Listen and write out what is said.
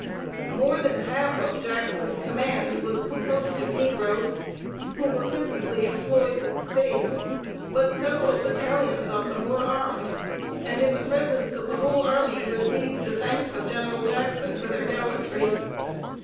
] More than half of Jackson's command was composed of negroes, who were principally employed with the spade, but several battalions of them were armed, and in the presence of the whole army received the thanks of General Jackson for their gallantry.